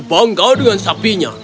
kita harus bangga dengan sapinya